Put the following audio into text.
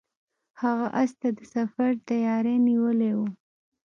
هغه اس ته د سفر تیاری نیولی و.